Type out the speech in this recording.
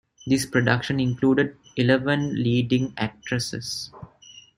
This production included eleven leading actresses.